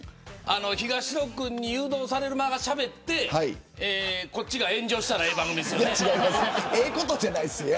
東野君に誘導されるまましゃべってこっちが炎上したらええ番組ですよね。